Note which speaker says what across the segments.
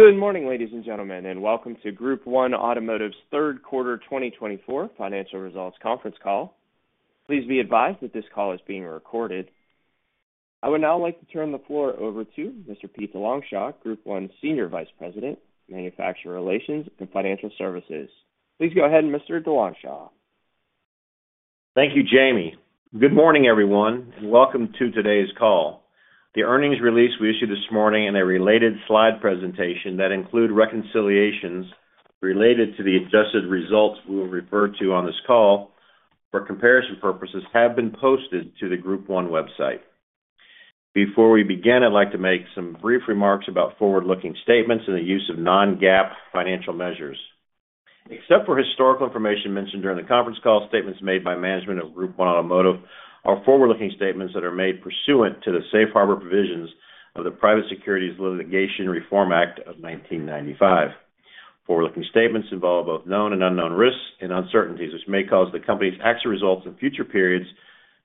Speaker 1: Good morning, ladies and gentlemen, and welcome to Group 1 Automotive's third quarter 2024 financial results conference call. Please be advised that this call is being recorded. I would now like to turn the floor over to Mr. Pete DeLongchamps, Group 1 Senior Vice President, Manufacturer Relations and Financial Services. Please go ahead, Mr. DeLongchamps.
Speaker 2: Thank you, Jamie. Good morning, everyone, and welcome to today's call. The earnings release we issued this morning and a related slide presentation that include reconciliations related to the adjusted results we will refer to on this call for comparison purposes have been posted to the Group 1 website. Before we begin, I'd like to make some brief remarks about forward-looking statements and the use of non-GAAP financial measures. Except for historical information mentioned during the conference call, statements made by management of Group 1 Automotive are forward-looking statements that are made pursuant to the safe harbor provisions of the Private Securities Litigation Reform Act of 1995. Forward-looking statements involve both known and unknown risks and uncertainties, which may cause the company's actual results in future periods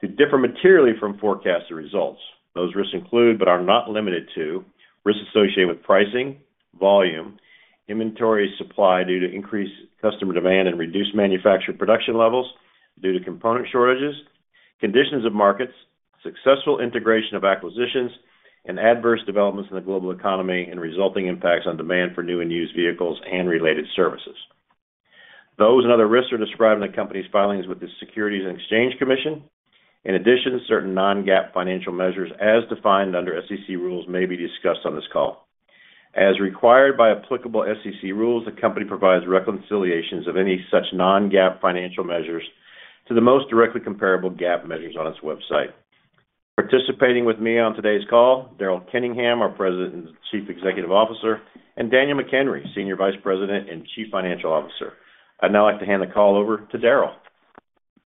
Speaker 2: to differ materially from forecasted results. Those risks include, but are not limited to, risks associated with pricing, volume, inventory supply due to increased customer demand and reduced manufacturer production levels due to component shortages, conditions of markets, successful integration of acquisitions, and adverse developments in the global economy and resulting impacts on demand for new and used vehicles and related services. Those and other risks are described in the company's filings with the Securities and Exchange Commission. In addition, certain non-GAAP financial measures, as defined under SEC rules, may be discussed on this call. As required by applicable SEC rules, the company provides reconciliations of any such non-GAAP financial measures to the most directly comparable GAAP measures on its website. Participating with me on today's call, Daryl Kenningham, our President and Chief Executive Officer, and Daniel McHenry, Senior Vice President and Chief Financial Officer. I'd now like to hand the call over to Daryl.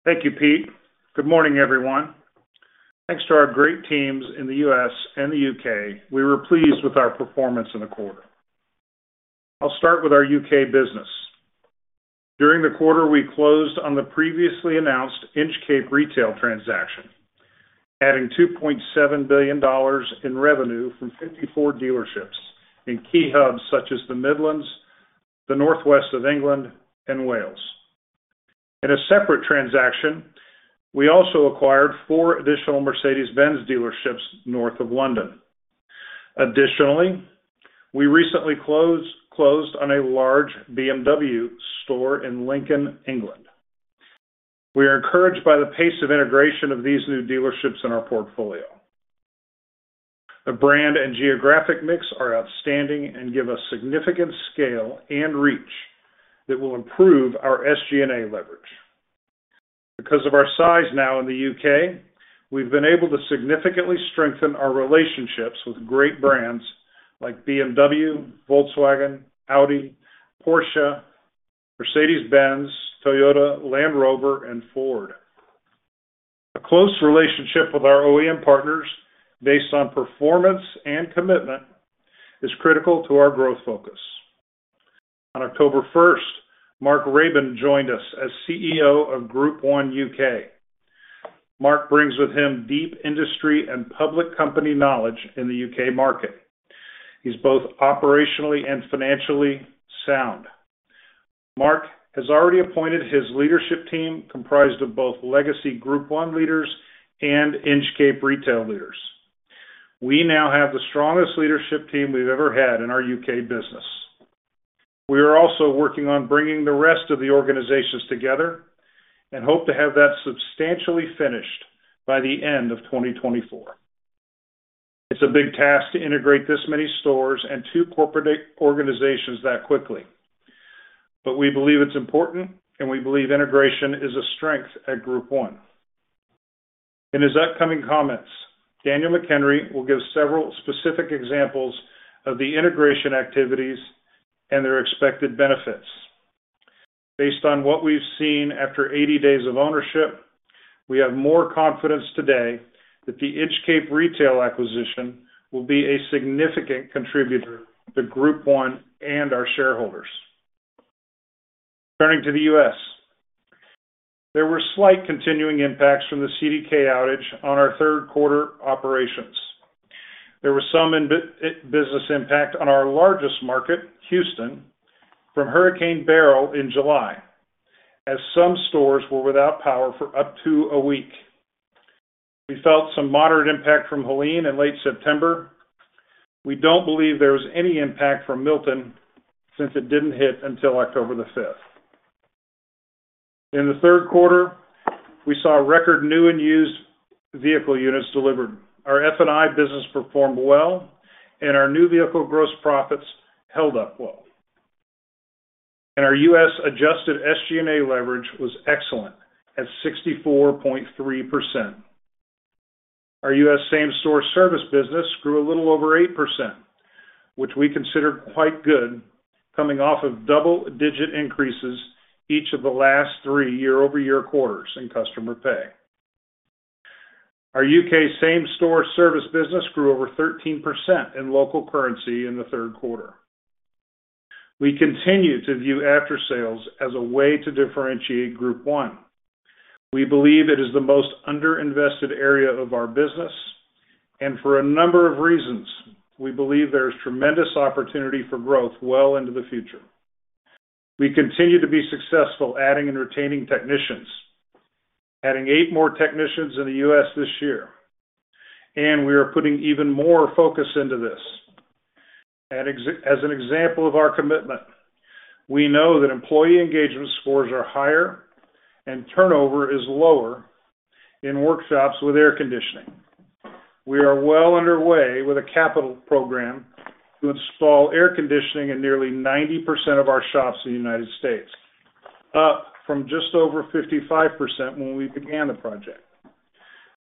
Speaker 3: Thank you, Pete. Good morning, everyone. Thanks to our great teams in the U.S. and the U.K., we were pleased with our performance in the quarter. I'll start with our U.K. business. During the quarter, we closed on the previously announced Inchcape Retail transaction, adding $2.7 billion in revenue from 54 dealerships in key hubs such as the Midlands, the North West of England, and Wales. In a separate transaction, we also acquired four additional Mercedes-Benz dealerships north of London. Additionally, we recently closed on a large BMW store in Lincoln, England. We are encouraged by the pace of integration of these new dealerships in our portfolio. The brand and geographic mix are outstanding and give us significant scale and reach that will improve our SG&A leverage. Because of our size now in the U.K., we've been able to significantly strengthen our relationships with great brands like BMW, Volkswagen, Audi, Porsche, Mercedes-Benz, Toyota, Land Rover, and Ford. A close relationship with our OEM partners, based on performance and commitment, is critical to our growth focus. On October 1st, Mark Raban joined us as CEO of Group 1 U.K. Mark brings with him deep industry and public company knowledge in the U.K. market. He's both operationally and financially sound. Mark has already appointed his leadership team, comprised of both legacy Group 1 leaders and Inchcape retail leaders. We now have the strongest leadership team we've ever had in our U.K. business. We are also working on bringing the rest of the organizations together and hope to have that substantially finished by the end of 2024. It's a big task to integrate this many stores and two corporate organizations that quickly, but we believe it's important, and we believe integration is a strength at Group 1. In his upcoming comments, Daniel McHenry will give several specific examples of the integration activities and their expected benefits. Based on what we've seen after 80 days of ownership, we have more confidence today that the Inchcape retail acquisition will be a significant contributor to Group 1 and our shareholders. Turning to the U.S., there were slight continuing impacts from the CDK outage on our third quarter operations. There was some business impact on our largest market, Houston, from Hurricane Beryl in July, as some stores were without power for up to a week. We felt some moderate impact from Helene in late September. We don't believe there was any impact from Milton since it didn't hit until October the 5th. In the third quarter, we saw record new and used vehicle units delivered. Our F&I business performed well, and our new vehicle gross profits held up well. And our U.S. adjusted SG&A leverage was excellent at 64.3%. Our U.S. same-store service business grew a little over 8%, which we consider quite good, coming off of double-digit increases each of the last three year-over-year quarters in customer pay. Our U.K. same-store service business grew over 13% in local currency in the third quarter. We continue to view after-sales as a way to differentiate Group 1. We believe it is the most under-invested area of our business, and for a number of reasons, we believe there is tremendous opportunity for growth well into the future. We continue to be successful adding and retaining technicians, adding eight more technicians in the U.S. this year, and we are putting even more focus into this. As an example of our commitment, we know that employee engagement scores are higher and turnover is lower in workshops with air conditioning. We are well underway with a capital program to install air conditioning in nearly 90% of our shops in the United States, up from just over 55% when we began the project.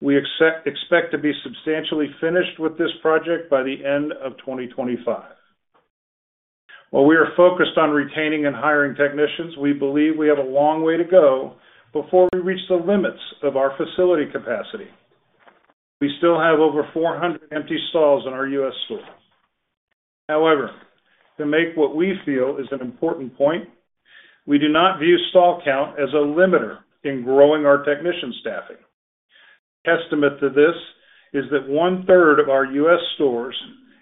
Speaker 3: We expect to be substantially finished with this project by the end of 2025. While we are focused on retaining and hiring technicians, we believe we have a long way to go before we reach the limits of our facility capacity. We still have over 400 empty stalls in our U.S. store. However, to make what we feel is an important point, we do not view stall count as a limiter in growing our technician staffing. The estimate to this is that one-third of our U.S. stores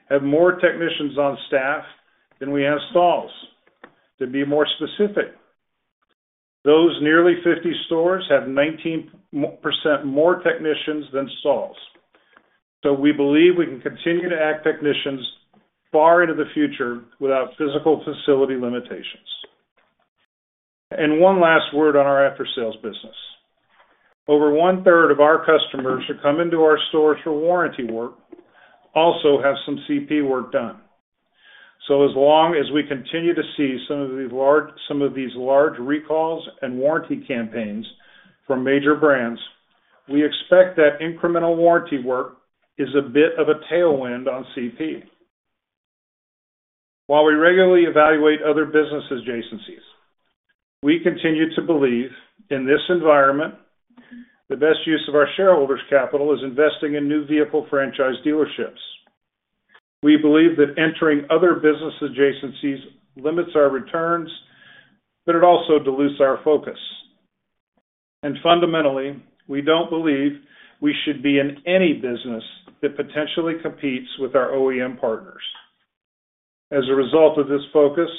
Speaker 3: have more technicians on staff than we have stalls. To be more specific, those nearly 50 stores have 19% more technicians than stalls, so we believe we can continue to add technicians far into the future without physical facility limitations, and one last word on our after-sales business. Over one-third of our customers who come into our stores for warranty work also have some CP work done, so as long as we continue to see some of these large recalls and warranty campaigns from major brands, we expect that incremental warranty work is a bit of a tailwind on CP. While we regularly evaluate other business adjacencies, we continue to believe in this environment, the best use of our shareholders' capital is investing in new vehicle franchise dealerships. We believe that entering other business adjacencies limits our returns, but it also dilutes our focus, and fundamentally, we don't believe we should be in any business that potentially competes with our OEM partners. As a result of this focus,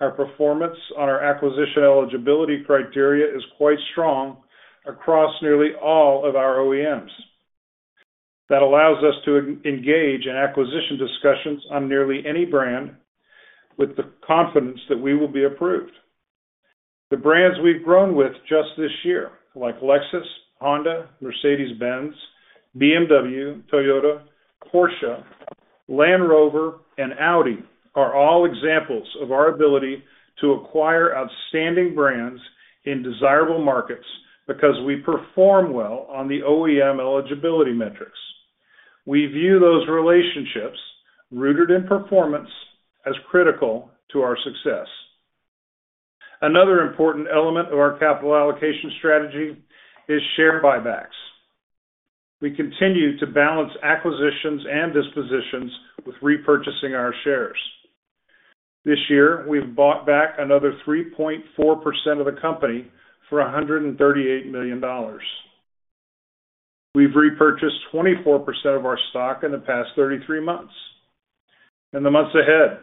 Speaker 3: our performance on our acquisition eligibility criteria is quite strong across nearly all of our OEMs. That allows us to engage in acquisition discussions on nearly any brand with the confidence that we will be approved. The brands we've grown with just this year, like Lexus, Honda, Mercedes-Benz, BMW, Toyota, Porsche, Land Rover, and Audi, are all examples of our ability to acquire outstanding brands in desirable markets because we perform well on the OEM eligibility metrics. We view those relationships, rooted in performance, as critical to our success. Another important element of our capital allocation strategy is share buybacks. We continue to balance acquisitions and dispositions with repurchasing our shares. This year, we've bought back another 3.4% of the company for $138 million. We've repurchased 24% of our stock in the past 33 months. In the months ahead,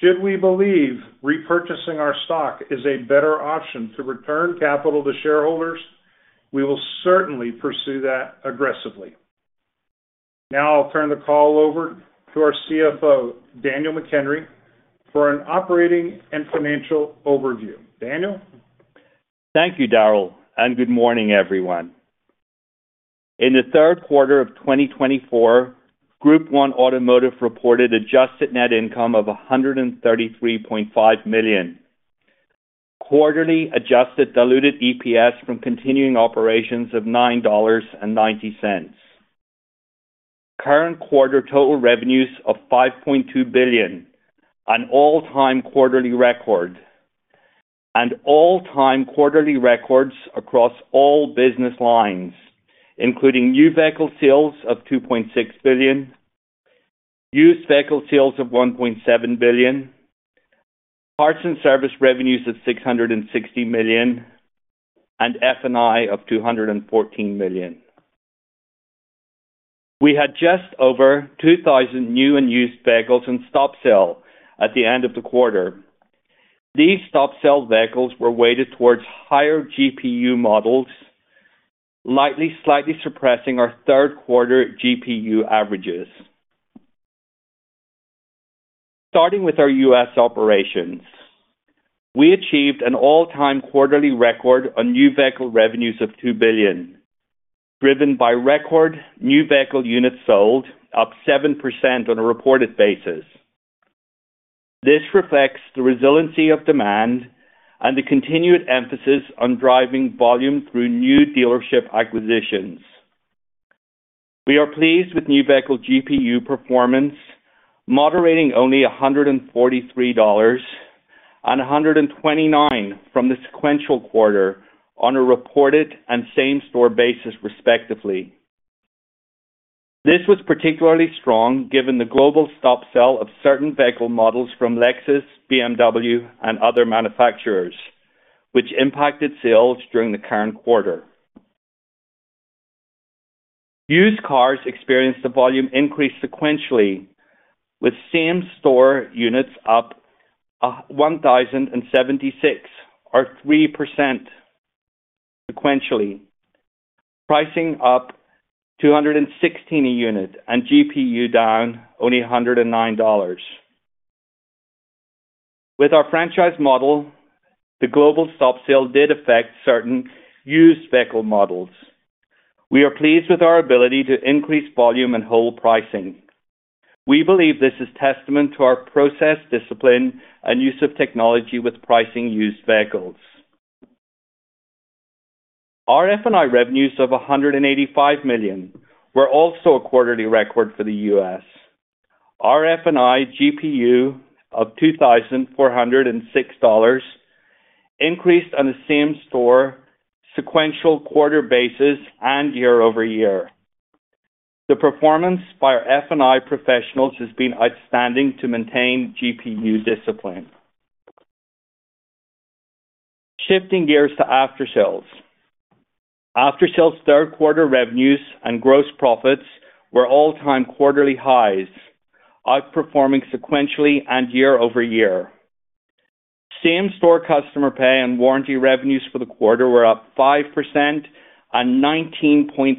Speaker 3: should we believe repurchasing our stock is a better option to return capital to shareholders, we will certainly pursue that aggressively. Now I'll turn the call over to our CFO, Daniel McHenry, for an operating and financial overview. Daniel?
Speaker 4: Thank you, Daryl, and good morning, everyone. In the third quarter of 2024, Group 1 Automotive reported adjusted net income of $133.5 million. Quarterly adjusted diluted EPS from continuing operations of $9.90. Current quarter total revenues of $5.2 billion, an all-time quarterly record, and all-time quarterly records across all business lines, including new vehicle sales of $2.6 billion, used vehicle sales of $1.7 billion, parts and service revenues of $660 million, and F&I of $214 million. We had just over 2,000 new and used vehicles in stop sale at the end of the quarter. These stop sale vehicles were weighted towards higher GPU models, slightly surpassing our third quarter GPU averages. Starting with our U.S. operations, we achieved an all-time quarterly record on new vehicle revenues of $2 billion, driven by record new vehicle units sold, up 7% on a reported basis. This reflects the resiliency of demand and the continued emphasis on driving volume through new dealership acquisitions. We are pleased with new vehicle GPU performance, moderating only $143 and $129 from the sequential quarter on a reported and same-store basis, respectively. This was particularly strong given the global stop sale of certain vehicle models from Lexus, BMW, and other manufacturers, which impacted sales during the current quarter. Used cars experienced a volume increase sequentially, with same-store units up 1,076, or 3%, sequentially, pricing up $216 a unit and GPU down only $109. With our franchise model, the global stop sale did affect certain used vehicle models. We are pleased with our ability to increase volume and hold pricing. We believe this is testament to our process, discipline, and use of technology with pricing used vehicles. Our F&I revenues of $185 million were also a quarterly record for the U.S. Our F&I GPU of $2,406 increased on the same-store sequential quarter basis and year-over-year. The performance by our F&I professionals has been outstanding to maintain GPU discipline. Shifting gears to after-sales. After-sales third quarter revenues and gross profits were all-time quarterly highs, outperforming sequentially and year-over-year. Same-store customer pay and warranty revenues for the quarter were up 5% and 19.6%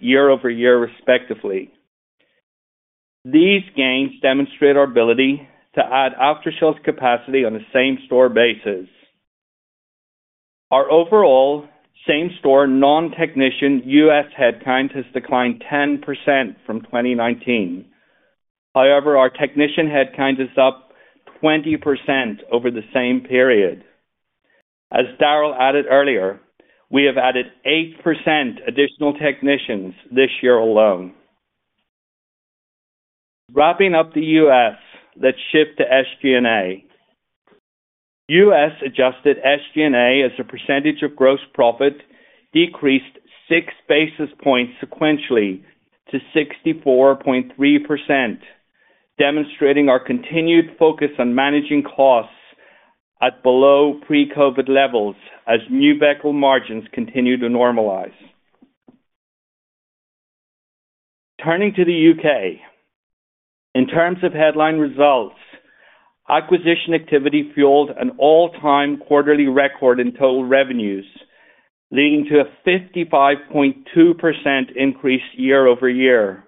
Speaker 4: year-over-year, respectively. These gains demonstrate our ability to add after-sales capacity on the same-store basis. Our overall same-store non-technician U.S. headcount has declined 10% from 2019. However, our technician headcount is up 20% over the same period. As Daryl added earlier, we have added 8% additional technicians this year alone. Wrapping up the U.S., let's shift to SG&A. U.S. adjusted SG&A as a percentage of gross profit decreased six basis points sequentially to 64.3%, demonstrating our continued focus on managing costs at below pre-COVID levels as new vehicle margins continue to normalize. Turning to the U.K., in terms of headline results, acquisition activity fueled an all-time quarterly record in total revenues, leading to a 55.2% increase year-over-year.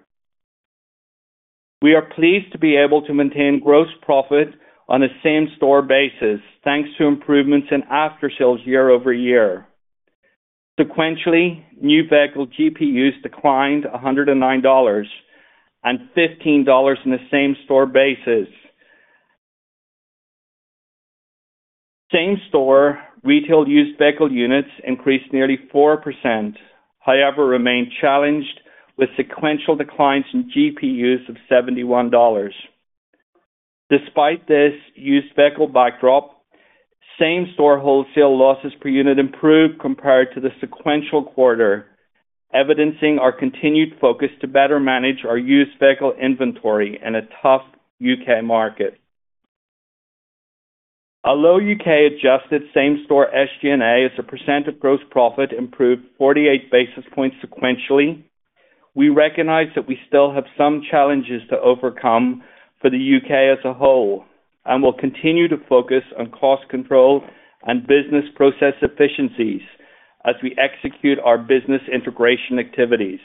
Speaker 4: We are pleased to be able to maintain gross profit on a same-store basis, thanks to improvements in after-sales year-over-year. Sequentially, new vehicle GPUs declined $109 and $15 on the same-store basis. Same-store retail used vehicle units increased nearly 4%, however, remained challenged with sequential declines in GPUs of $71. Despite this used vehicle backdrop, same-store wholesale losses per unit improved compared to the sequential quarter, evidencing our continued focus to better manage our used vehicle inventory in a tough U.K. market. Although U.K. adjusted same-store SG&A as a percent of gross profit improved 48 basis points sequentially, we recognize that we still have some challenges to overcome for the U.K. as a whole and will continue to focus on cost control and business process efficiencies as we execute our business integration activities.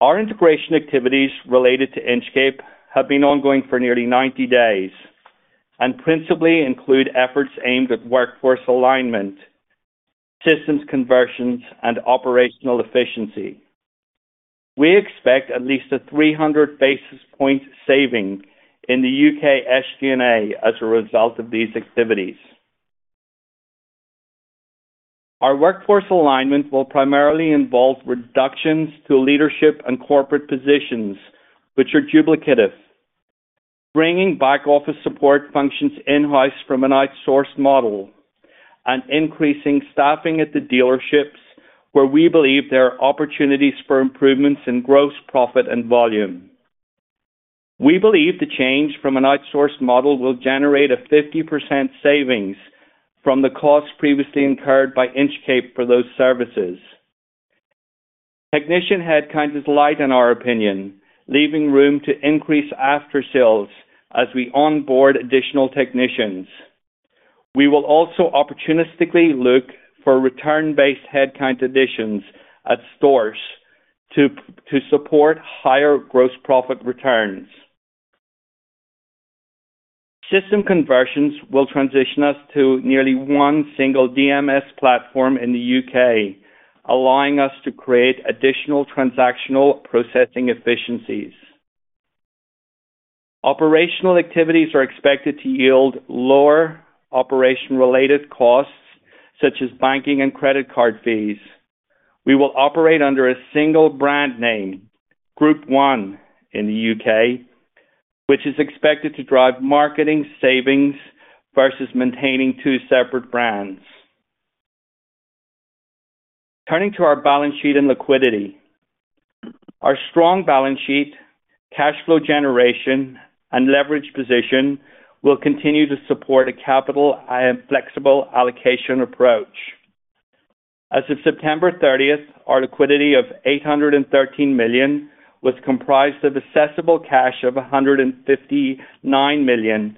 Speaker 4: Our integration activities related to Inchcape have been ongoing for nearly 90 days and principally include efforts aimed at workforce alignment, systems conversions, and operational efficiency. We expect at least a 300 basis point saving in the U.K. SG&A as a result of these activities. Our workforce alignment will primarily involve reductions to leadership and corporate positions, which are duplicative, bringing back office support functions in-house from an outsourced model, and increasing staffing at the dealerships where we believe there are opportunities for improvements in gross profit and volume. We believe the change from an outsourced model will generate a 50% savings from the cost previously incurred by Inchcape for those services. Technician headcount is light in our opinion, leaving room to increase after-sales as we onboard additional technicians. We will also opportunistically look for return-based headcount additions at stores to support higher gross profit returns. System conversions will transition us to nearly one single DMS platform in the U.K., allowing us to create additional transactional processing efficiencies. Operational activities are expected to yield lower operation-related costs such as banking and credit card fees. We will operate under a single brand name, Group 1 in the U.K., which is expected to drive marketing savings versus maintaining two separate brands. Turning to our balance sheet and liquidity. Our strong balance sheet, cash flow generation, and leverage position will continue to support a capital and flexible allocation approach. As of September 30th, our liquidity of $813 million was comprised of accessible cash of $159 million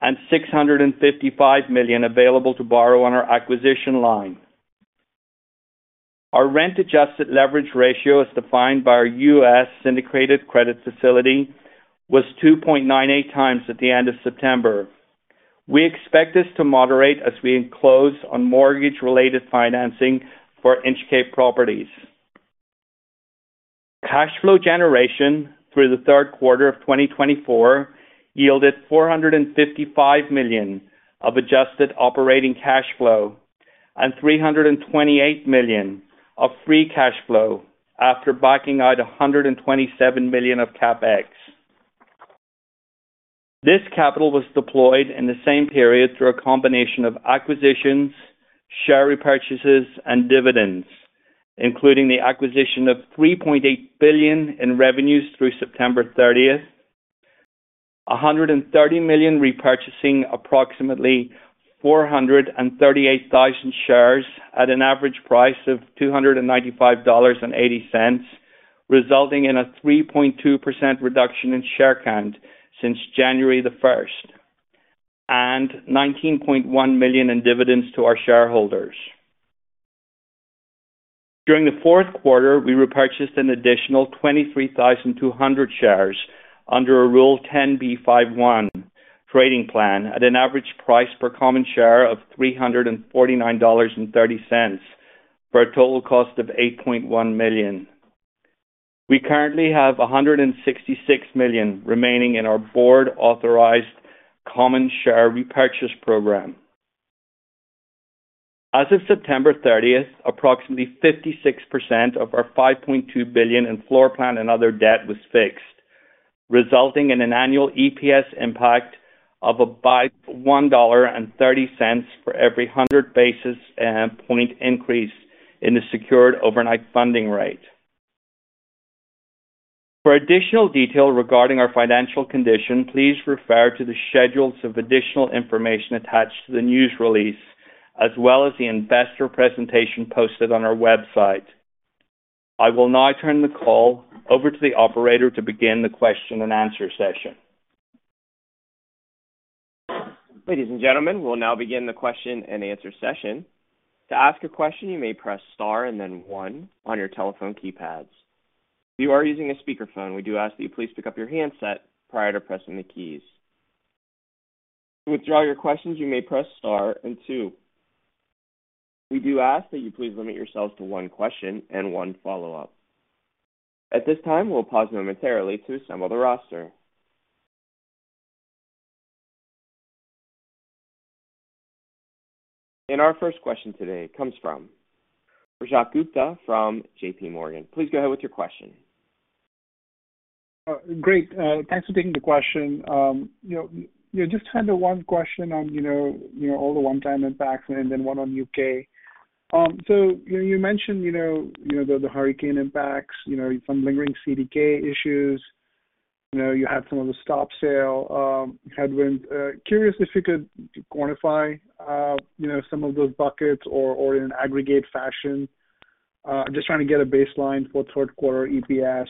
Speaker 4: and $655 million available to borrow on our acquisition line. Our rent-adjusted leverage ratio as defined by our U.S. syndicated credit facility was 2.98 times at the end of September. We expect this to moderate as we close on mortgage-related financing for Inchcape properties. Cash flow generation through the third quarter of 2024 yielded $455 million of adjusted operating cash flow and $328 million of free cash flow after backing out $127 million of CapEx. This capital was deployed in the same period through a combination of acquisitions, share repurchases, and dividends, including the acquisition of $3.8 billion in revenues through September 30th, $130 million repurchasing approximately 438,000 shares at an average price of $295.80, resulting in a 3.2% reduction in share count since January 1st, and $19.1 million in dividends to our shareholders. During the fourth quarter, we repurchased an additional 23,200 shares under a Rule 10b5-1 trading plan at an average price per common share of $349.30 for a total cost of $8.1 million. We currently have $166 million remaining in our board-authorized common share repurchase program. As of September 30th, approximately 56% of our $5.2 billion in floor plan and other debt was fixed, resulting in an annual EPS impact of $1.30 for every 100 basis point increase in the Secured Overnight Funding Rate. For additional detail regarding our financial condition, please refer to the schedules of additional information attached to the news release, as well as the investor presentation posted on our website. I will now turn the call over to the operator to begin the question and answer session.
Speaker 1: Ladies and gentlemen, we'll now begin the question and answer session. To ask a question, you may press star and then one on your telephone keypads. If you are using a speakerphone, we do ask that you please pick up your handset prior to pressing the keys. To withdraw your questions, you may press star and two. We do ask that you please limit yourselves to one question and one follow-up. At this time, we'll pause momentarily to assemble the roster, and our first question today comes from Rajat Gupta from JPMorgan. Please go ahead with your question.
Speaker 5: Great. Thanks for taking the question. You just had the one question on all the one-time impacts and then one on U.K. So you mentioned the hurricane impacts, some lingering CDK issues. You had some of the stop sale headwinds. Curious if you could quantify some of those buckets or in an aggregate fashion. I'm just trying to get a baseline for third quarter EPS,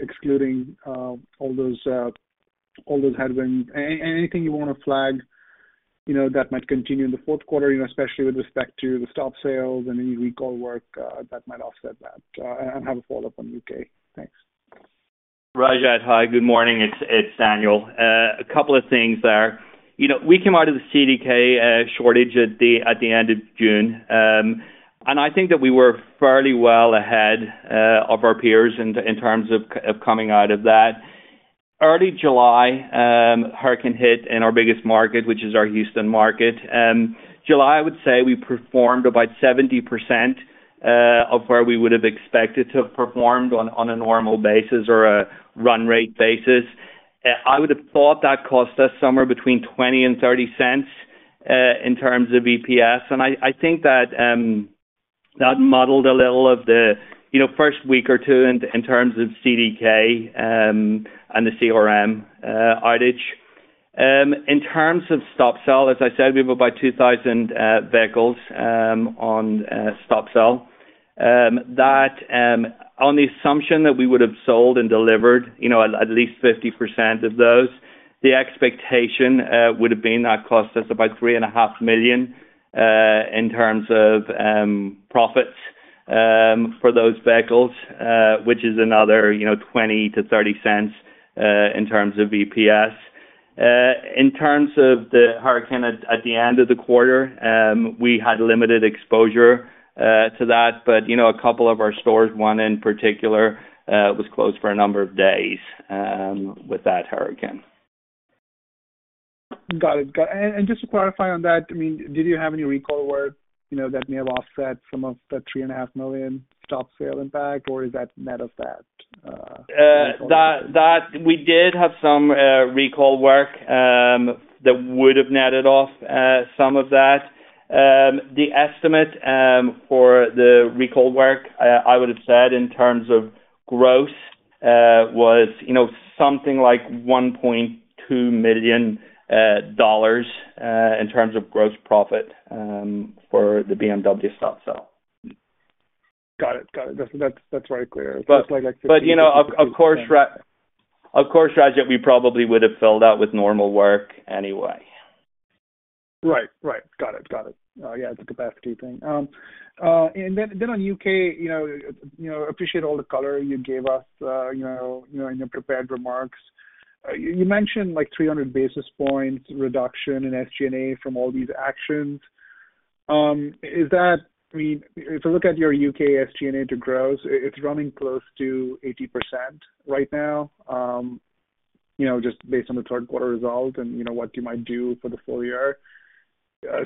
Speaker 5: excluding all those headwinds. Anything you want to flag that might continue in the fourth quarter, especially with respect to the stop sales and any recall work that might offset that and have a follow-up on U.K.? Thanks.
Speaker 4: Rajat, hi. Good morning. It's Daniel. A couple of things there. We came out of the CDK shortage at the end of June, and I think that we were fairly well ahead of our peers in terms of coming out of that. Early July, hurricane hit in our biggest market, which is our Houston market. July, I would say we performed about 70% of where we would have expected to have performed on a normal basis or a run rate basis. I would have thought that cost us somewhere between $0.20 and $0.30 in terms of EPS. And I think that muddled a little of the first week or two in terms of CDK and the CRM outage. In terms of stop sale, as I said, we have about 2,000 vehicles on stop sale. That on the assumption that we would have sold and delivered at least 30% of those, the expectation would have been that cost us about $3.5 million in terms of profits for those vehicles, which is another $0.20-$0.30 in terms of EPS. In terms of the hurricane at the end of the quarter, we had limited exposure to that, but a couple of our stores, one in particular, was closed for a number of days with that hurricane.
Speaker 5: Got it. Got it. And just to clarify on that, I mean, did you have any recall work that may have offset some of the 3.5 million stop sale impact, or is that net of that?
Speaker 4: We did have some recall work that would have netted off some of that. The estimate for the recall work, I would have said in terms of gross, was something like $1.2 million in terms of gross profit for the BMW stop sale.
Speaker 5: Got it. Got it. That's very clear. It's like 15.
Speaker 4: But of course, Rajat, we probably would have filled out with normal work anyway.
Speaker 5: Right. Right. Got it. Got it. Yeah, it's a capacity thing. And then on U.K., I appreciate all the color you gave us in your prepared remarks. You mentioned 300 basis points reduction in SG&A from all these actions. I mean, if you look at your U.K. SG&A to gross, it's running close to 80% right now, just based on the third quarter result and what you might do for the full year.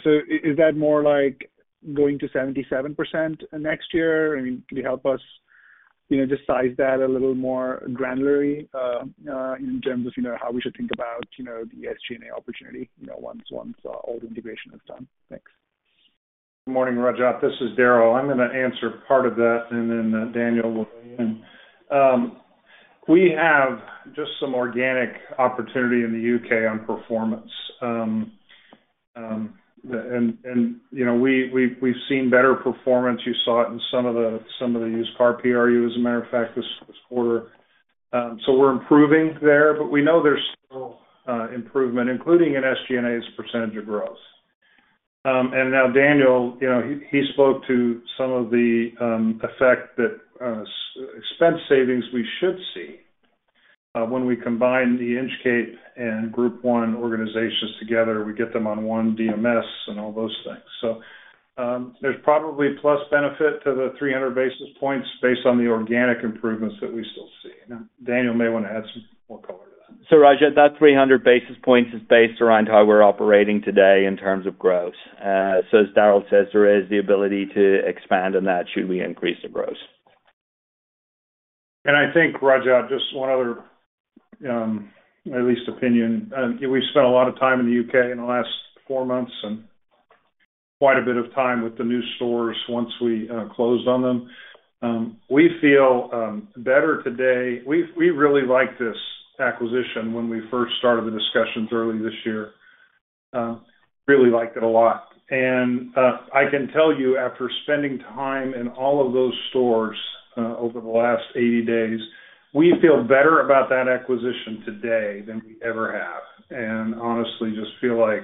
Speaker 5: So is that more like going to 77% next year? I mean, could you help us just size that a little more granularly in terms of how we should think about the SG&A opportunity once all the integration is done? Thanks.
Speaker 3: Good morning, Rajat. This is Daryl. I'm going to answer part of that, and then Daniel will weigh in. We have just some organic opportunity in the U.K. on performance, and we've seen better performance. You saw it in some of the used car PRUs, as a matter of fact, this quarter, so we're improving there, but we know there's still improvement, including in SG&A's percentage of gross. Now, Daniel, he spoke to some of the effect that expense savings we should see when we combine the Inchcape and Group 1 organizations together. We get them on one DMS and all those things, so there's probably plus benefit to the 300 basis points based on the organic improvements that we still see. Daniel may want to add some more color to that.
Speaker 4: So Rajat, that 300 basis points is based around how we're operating today in terms of gross. So as Daryl says, there is the ability to expand on that should we increase the gross.
Speaker 3: And I think, Rajat, just one other at least opinion. We've spent a lot of time in the U.K. in the last four months and quite a bit of time with the new stores once we closed on them. We feel better today. We really liked this acquisition when we first started the discussions early this year. Really liked it a lot. And I can tell you, after spending time in all of those stores over the last 80 days, we feel better about that acquisition today than we ever have. And honestly, just feel like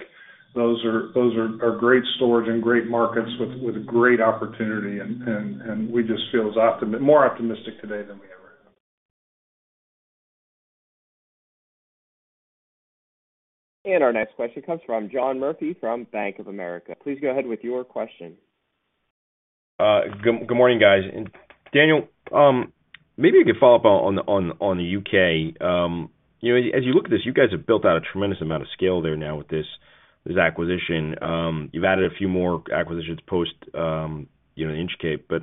Speaker 3: those are great stores and great markets with great opportunity, and we just feel more optimistic today than we ever have.
Speaker 1: And our next question comes from John Murphy from Bank of America. Please go ahead with your question.
Speaker 6: Good morning, guys. Daniel, maybe you could follow up on the U.K. As you look at this, you guys have built out a tremendous amount of scale there now with this acquisition. You've added a few more acquisitions post Inchcape. But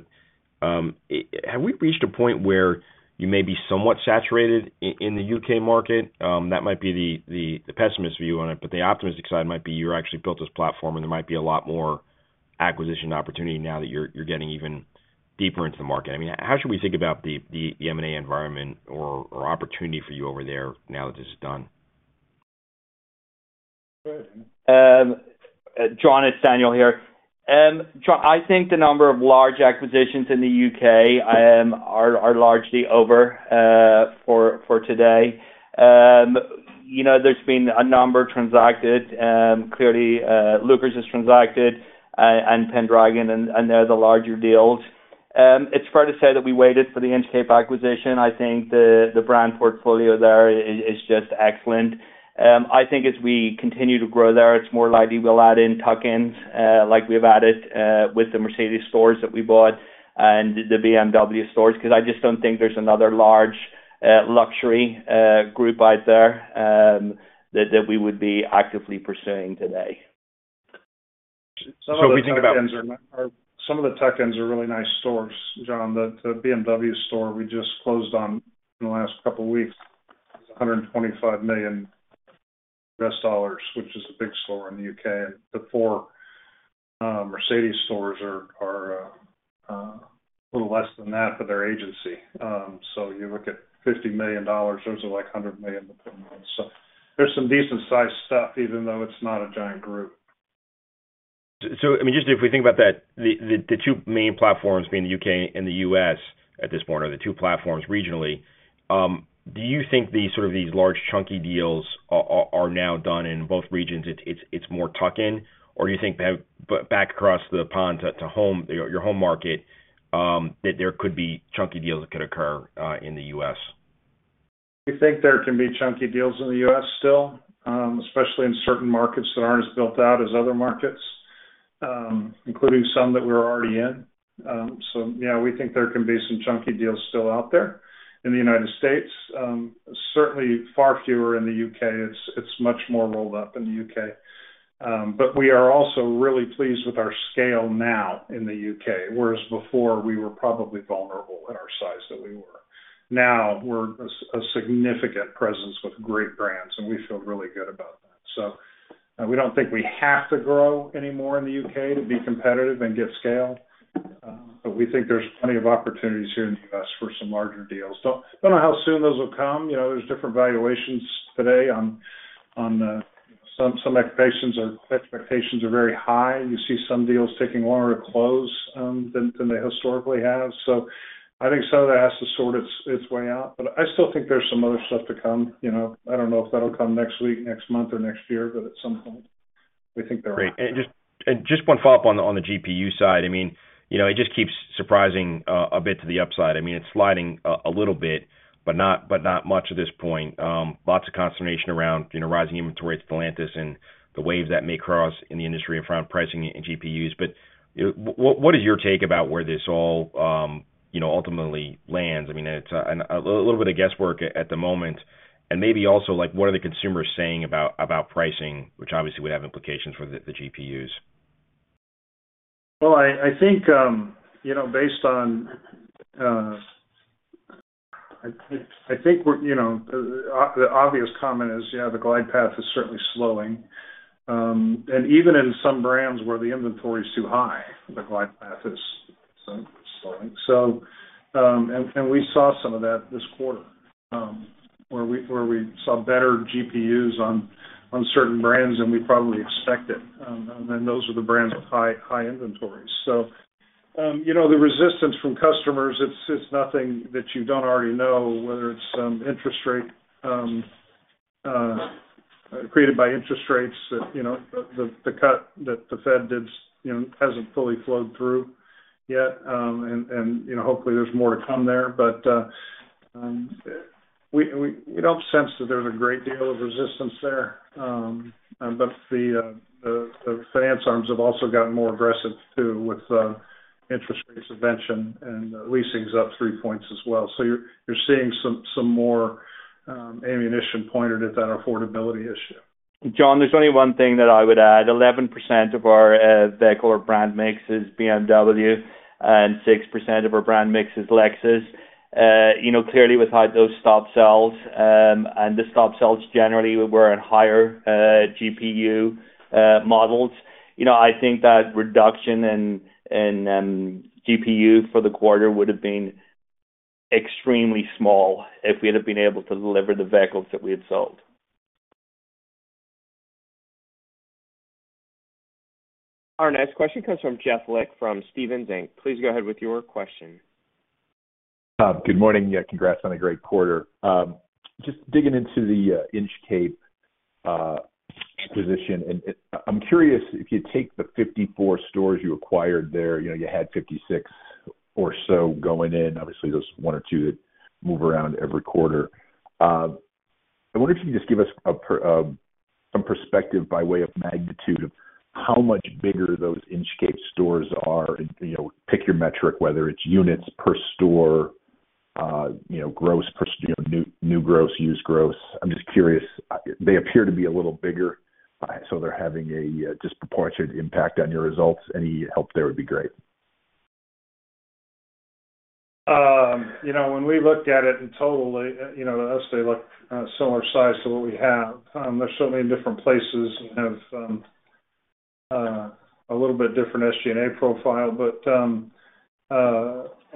Speaker 6: have we reached a point where you may be somewhat saturated in the U.K. market? That might be the pessimistic view on it, but the optimistic side might be you actually built this platform, and there might be a lot more acquisition opportunity now that you're getting even deeper into the market. I mean, how should we think about the M&A environment or opportunity for you over there now that this is done?
Speaker 4: John, it's Daniel here. John, I think the number of large acquisitions in the U.K. are largely over for today. There's been a number transacted. Clearly, Lookers has transacted and Pendragon, and they're the larger deals. It's fair to say that we waited for the Inchcape acquisition. I think the brand portfolio there is just excellent. I think as we continue to grow there, it's more likely we'll add in tuck-ins like we've added with the Mercedes stores that we bought and the BMW stores because I just don't think there's another large luxury group out there that we would be actively pursuing today.
Speaker 3: Some of the Tuck-ins are really nice stores. John, the BMW store we just closed on in the last couple of weeks is $125 million U.S. dollars, which is a big store in the U.K. And the four Mercedes stores are a little less than that for their agency. So you look at $50 million, those are like $100 million to put in. So there's some decent-sized stuff, even though it's not a giant group.
Speaker 6: So I mean, just if we think about that, the two main platforms being the U.K. and the U.S. at this point are the two platforms regionally. Do you think sort of these large chunky deals are now done in both regions? It's more tuck-in, or do you think back across the pond to your home market that there could be chunky deals that could occur in the U.S.?
Speaker 3: We think there can be chunky deals in the U.S. still, especially in certain markets that aren't as built out as other markets, including some that we're already in. So yeah, we think there can be some chunky deals still out there in the United States, certainly far fewer in the U.K. It's much more rolled up in the U.K. But we are also really pleased with our scale now in the U.K., whereas before we were probably vulnerable at our size that we were. Now we're a significant presence with great brands, and we feel really good about that. So we don't think we have to grow anymore in the U.K. to be competitive and get scale, but we think there's plenty of opportunities here in the U.S. for some larger deals. Don't know how soon those will come. There's different valuations today. On some, expectations are very high. You see some deals taking longer to close than they historically have, so I think some of that has to sort its way out, but I still think there's some other stuff to come. I don't know if that'll come next week, next month, or next year, but at some point, we think there will.
Speaker 6: Great. And just one follow-up on the GPU side. I mean, it just keeps surprising a bit to the upside. I mean, it's sliding a little bit, but not much at this point. Lots of consternation around rising inventory at Stellantis and the waves that may cross in the industry around pricing and GPUs. But what is your take about where this all ultimately lands? I mean, it's a little bit of guesswork at the moment. And maybe also, what are the consumers saying about pricing, which obviously would have implications for the GPUs?
Speaker 3: I think based on the obvious comment is, yeah, the glide path is certainly slowing. And even in some brands where the inventory is too high, the glide path is slowing. And we saw some of that this quarter where we saw better GPUs on certain brands than we probably expected. And then those are the brands with high inventories. So the resistance from customers, it's nothing that you don't already know, whether it's interest rate created by interest rates. The cut that the Fed did hasn't fully flowed through yet, and hopefully there's more to come there. But we don't sense that there's a great deal of resistance there. But the finance arms have also gotten more aggressive too with interest rate offerings and leasings up three points as well. So you're seeing some more ammunition pointed at that affordability issue.
Speaker 4: John, there's only one thing that I would add. 11% of our vehicle or brand mix is BMW, and 6% of our brand mix is Lexus. Clearly, with high-end stop sales and the stop sales generally were in higher GPU models, I think that reduction in GPU for the quarter would have been extremely small if we had been able to deliver the vehicles that we had sold.
Speaker 1: Our next question comes from Jeff Lick from Stephens Inc. Please go ahead with your question.
Speaker 7: Good morning. Yeah, congrats on a great quarter. Just digging into the Inchcape acquisition, I'm curious if you take the 54 stores you acquired there, you had 56 or so going in. Obviously, there's one or two that move around every quarter. I wonder if you can just give us some perspective by way of magnitude of how much bigger those Inchcape stores are. Pick your metric, whether it's units per store, gross per new gross, used gross. I'm just curious. They appear to be a little bigger, so they're having a disproportionate impact on your results. Any help there would be great.
Speaker 3: When we looked at it in total, they look similar size to what we have. There's so many different places that have a little bit different SG&A profile. But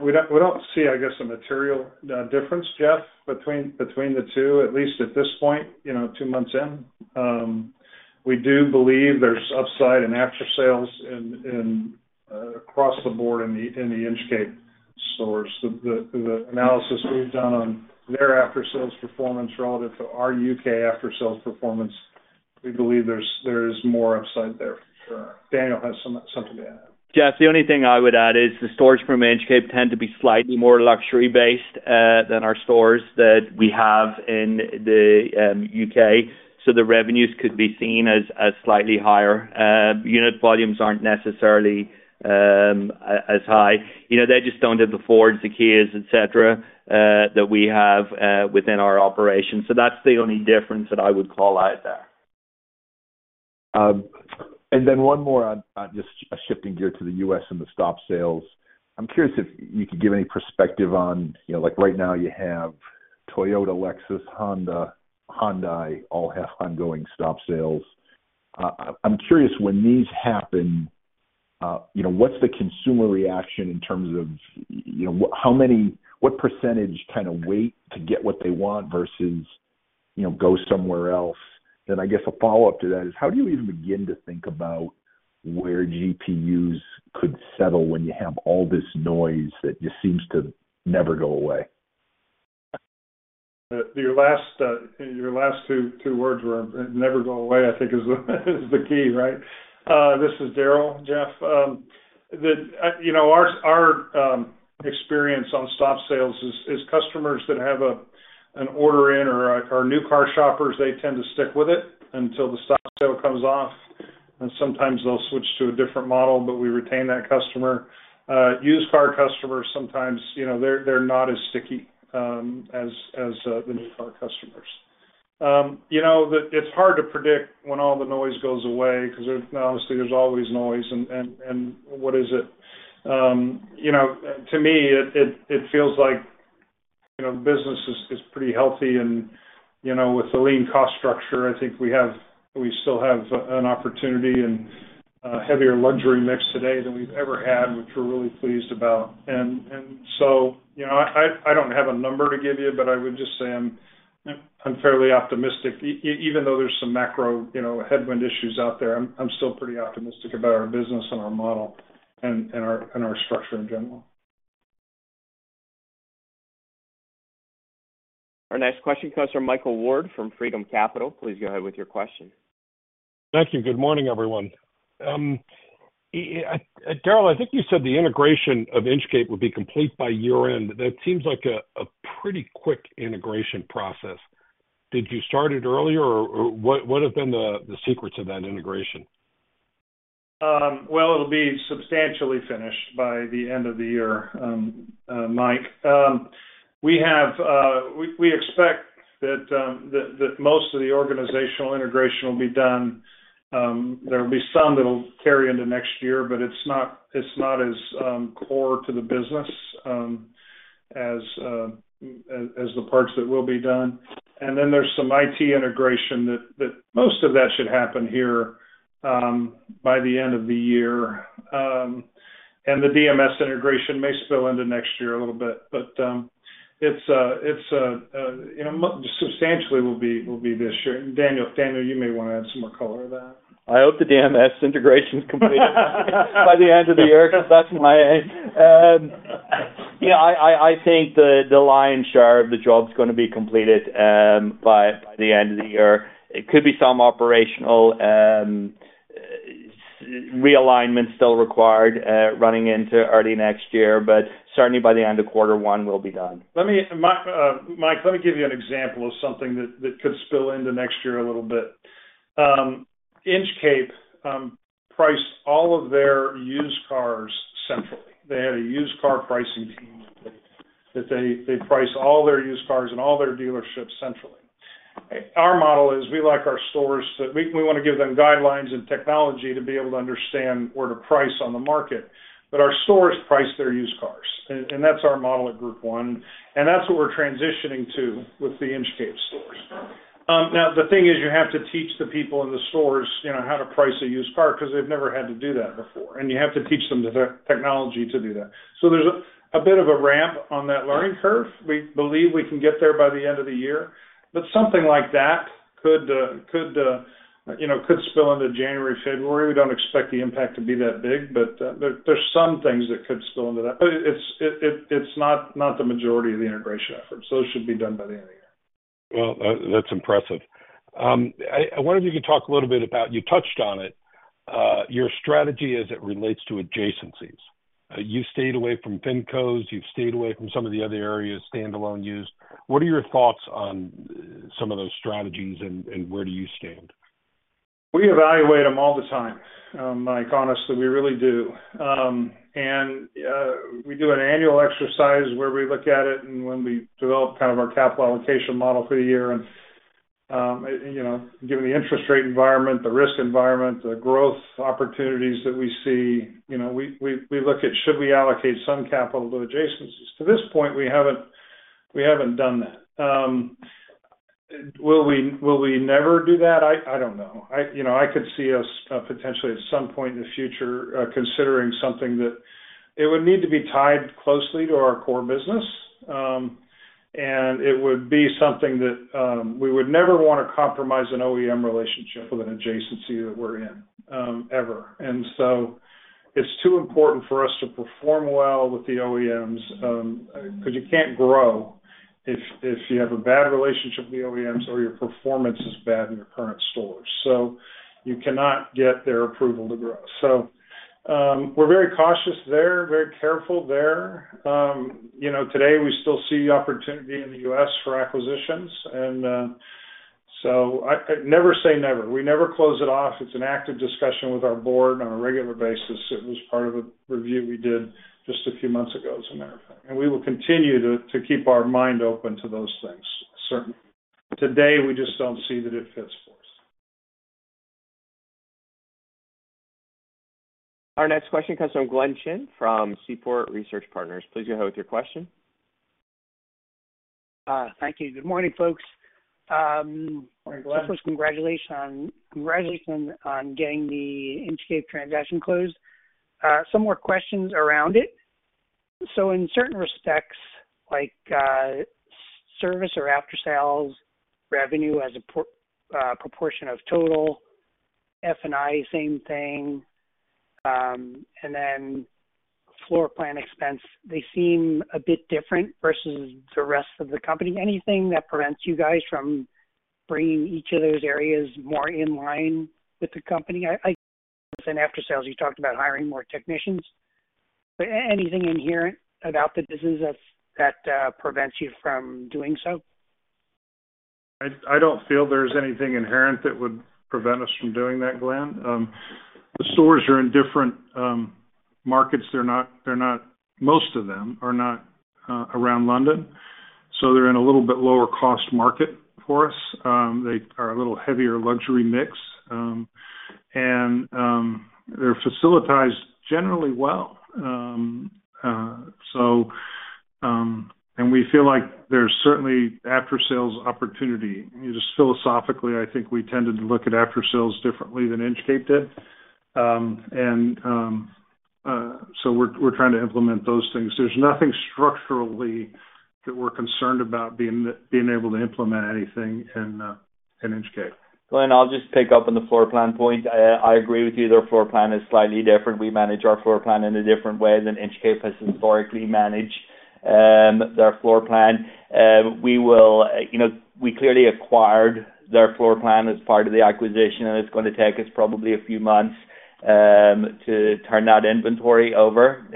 Speaker 3: we don't see, I guess, a material difference, Jeff, between the two, at least at this point, two months in. We do believe there's upside in after-sales across the board in the Inchcape stores. The analysis we've done on their after-sales performance relative to our U.K. after-sales performance, we believe there is more upside there. Daniel has something to add.
Speaker 4: Jeff, the only thing I would add is the stores from Inchcape tend to be slightly more luxury-based than our stores that we have in the U.K., so the revenues could be seen as slightly higher. Unit volumes aren't necessarily as high. They just don't have the Fords, the Kias, etc., that we have within our operation, so that's the only difference that I would call out there.
Speaker 7: And then one more, just shifting gear to the US and the stop sales. I'm curious if you could give any perspective on right now you have Toyota, Lexus, Honda, Hyundai all have ongoing stop sales. I'm curious when these happen, what's the consumer reaction in terms of what percentage kind of wait to get what they want versus go somewhere else? Then I guess a follow-up to that is how do you even begin to think about where GPUs could settle when you have all this noise that just seems to never go away?
Speaker 3: Your last two words were "never go away," I think, is the key, right? This is Daryl, Jeff. Our experience on stop sales is customers that have an order in or are new car shoppers. They tend to stick with it until the stop sale comes off, and sometimes they'll switch to a different model, but we retain that customer. Used car customers, sometimes they're not as sticky as the new car customers. It's hard to predict when all the noise goes away because honestly, there's always noise, and what is it? To me, it feels like business is pretty healthy, and with the lean cost structure, I think we still have an opportunity and heavier luxury mix today than we've ever had, which we're really pleased about, and so I don't have a number to give you, but I would just say I'm fairly optimistic. Even though there's some macro headwind issues out there, I'm still pretty optimistic about our business and our model and our structure in general.
Speaker 1: Our next question comes from Michael Ward from Freedom Capital. Please go ahead with your question.
Speaker 8: Thank you. Good morning, everyone. Daryl, I think you said the integration of Inchcape would be complete by year-end. That seems like a pretty quick integration process. Did you start it earlier, or what have been the secrets of that integration?
Speaker 3: It'll be substantially finished by the end of the year, Mike. We expect that most of the organizational integration will be done. There will be some that will carry into next year, but it's not as core to the business as the parts that will be done. And then there's some IT integration that most of that should happen here by the end of the year. And the DMS integration may spill into next year a little bit, but it's substantially will be this year. Daniel, you may want to add some more color to that.
Speaker 4: I hope the DMS integration is completed by the end of the year. That's my aim. Yeah, I think the lion's share of the job is going to be completed by the end of the year. It could be some operational realignment still required running into early next year, but certainly by the end of quarter one, we'll be done.
Speaker 3: Mike, let me give you an example of something that could spill into next year a little bit. Inchcape priced all of their used cars centrally. They had a used car pricing team that they priced all their used cars and all their dealerships centrally. Our model is we like our stores to we want to give them guidelines and technology to be able to understand where to price on the market. But our stores price their used cars. And that's our model at Group 1. And that's what we're transitioning to with the Inchcape stores. Now, the thing is you have to teach the people in the stores how to price a used car because they've never had to do that before. And you have to teach them the technology to do that. So there's a bit of a ramp on that learning curve. We believe we can get there by the end of the year. But something like that could spill into January, February. We don't expect the impact to be that big, but there's some things that could spill into that. But it's not the majority of the integration effort. So it should be done by the end of the year.
Speaker 8: That's impressive. I wonder if you could talk a little bit about. You touched on it. Your strategy as it relates to adjacencies. You've stayed away from FinCos. You've stayed away from some of the other areas, standalone used. What are your thoughts on some of those strategies and where do you stand?
Speaker 3: We evaluate them all the time, Mike. Honestly, we really do. And we do an annual exercise where we look at it and when we develop kind of our capital allocation model for the year. And given the interest rate environment, the risk environment, the growth opportunities that we see, we look at should we allocate some capital to adjacencies. To this point, we haven't done that. Will we never do that? I don't know. I could see us potentially at some point in the future considering something that it would need to be tied closely to our core business. And it would be something that we would never want to compromise an OEM relationship with an adjacency that we're in ever. And so it's too important for us to perform well with the OEMs because you can't grow if you have a bad relationship with the OEMs or your performance is bad in your current stores. So you cannot get their approval to grow. So we're very cautious there, very careful there. Today, we still see opportunity in the U.S. for acquisitions. And so I never say never. We never close it off. It's an active discussion with our board on a regular basis. It was part of a review we did just a few months ago, as a matter of fact. And we will continue to keep our mind open to those things, certainly. Today, we just don't see that it fits for us.
Speaker 1: Our next question comes from Glenn Chin from Seaport Research Partners. Please go ahead with your question.
Speaker 9: Thank you. Good morning, folks. First, congratulations on getting the Inchcape transaction closed. Some more questions around it. So in certain respects, like service or after-sales revenue as a proportion of total, F&I, same thing, and then floor plan expense, they seem a bit different versus the rest of the company. Anything that prevents you guys from bringing each of those areas more in line with the company? I think after-sales, you talked about hiring more technicians. But anything inherent about the business that prevents you from doing so?
Speaker 3: I don't feel there's anything inherent that would prevent us from doing that, Glenn. The stores are in different markets. They're not; most of them are not around London. So they're in a little bit lower-cost market for us. They are a little heavier luxury mix. And they're facilitated generally well. And we feel like there's certainly after-sales opportunity. Just philosophically, I think we tended to look at after-sales differently than Inchcape did. And so we're trying to implement those things. There's nothing structurally that we're concerned about being able to implement anything in Inchcape.
Speaker 4: Glenn, I'll just pick up on the floor plan point. I agree with you. Their floor plan is slightly different. We manage our floor plan in a different way than Inchcape has historically managed their floor plan. We clearly acquired their floor plan as part of the acquisition, and it's going to take us probably a few months to turn that inventory over.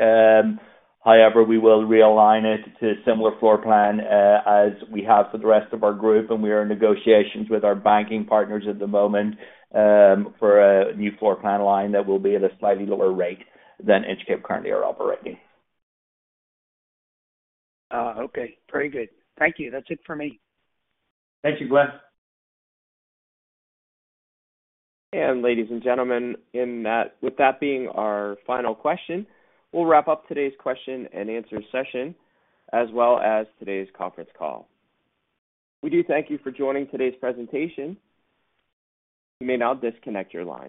Speaker 4: However, we will realign it to a similar floor plan as we have for the rest of our group, and we are in negotiations with our banking partners at the moment for a new floor plan line that will be at a slightly lower rate than Inchcape currently are operating.
Speaker 9: Okay. Very good. Thank you. That's it for me.
Speaker 4: Thank you, Glenn.
Speaker 1: And ladies and gentlemen, with that being our final question, we'll wrap up today's question and answer session as well as today's conference call. We do thank you for joining today's presentation. You may now disconnect your line.